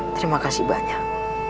terima kasih banyak